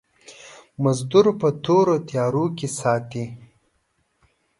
مزدور په تورو تيارو کې ساتي.